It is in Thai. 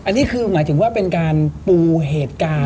อันนี้คือหมายถึงว่าเป็นการปูเหตุการณ์